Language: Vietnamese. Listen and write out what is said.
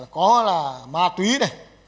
có là ma túy này